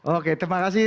oke terima kasih